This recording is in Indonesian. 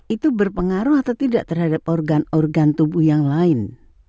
itu berpengaruh atau tidak terhadap organ organ tubuh yang lain